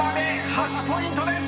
８ポイントです］